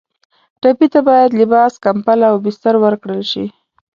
ټپي ته باید لباس، کمپله او بستر ورکړل شي.